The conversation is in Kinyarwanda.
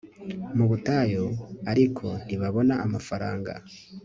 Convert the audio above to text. mu butayu ariko ntibabona amafaranga